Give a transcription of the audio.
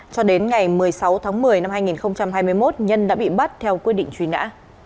cho đến ngày một mươi sáu tháng một mươi năm hai nghìn hai mươi một nhân đã bị bắt theo quyết định truy nã